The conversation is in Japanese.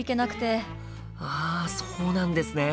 ああそうなんですね。